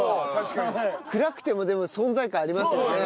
暗くてもでも存在感ありますよね。